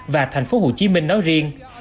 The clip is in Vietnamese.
và thành phố hồ chí minh nói riêng